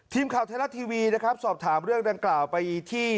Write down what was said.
ทีมข่าวเทลาทีวีสอบถามเรื่องดังกล่าวไปที่